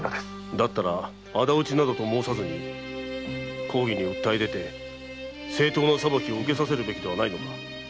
だったら仇討ちなどと申さず公儀に訴え出て正当な裁きを受けさせるべきではないのか？